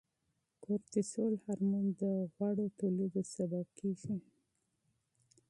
کورتیسول هورمون د غوړو ټولېدو سبب کیږي.